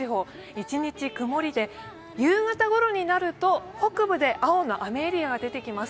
１日曇りで、夕方頃になると北部で青の雨エリアが出てきます。